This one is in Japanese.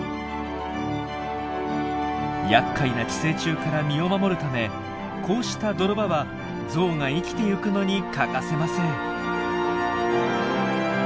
やっかいな寄生虫から身を守るためこうした泥場はゾウが生きてゆくのに欠かせません。